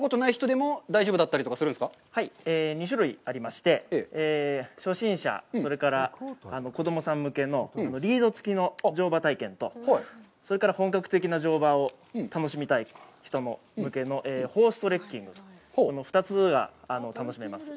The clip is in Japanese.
２種類ありまして、初心者、それから子供さん向けのリード付きの乗馬体験と、それから本格的な乗馬を楽しみたい人向けのホーストレッキング、２つが楽しめます。